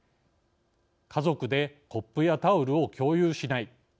家族でコップやタオルを共有しない。